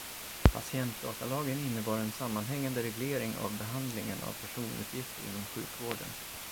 Patientdatalagen innebar en sammanhängande reglering av behandlingen av personuppgifter inom sjukvården.